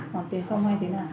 khoảng tí xong hay tí nào